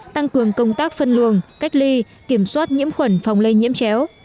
tăng cường công tác phân luồng cách ly kiểm soát nhiễm khuẩn phòng lây nhiễm chéo